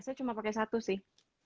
saya cuma pakai satu sih